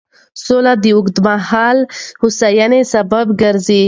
سوله د اوږدمهاله هوساینې سبب ګرځي.